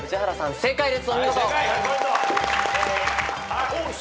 正解です。